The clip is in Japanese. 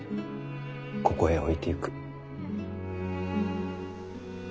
ここへ置いてゆく。